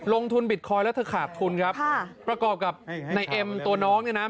ลงทุนบิตคอยด์แล้วถ้าขาดทุนครับประกอบกับณเอ็มตัวน้องนี่นะ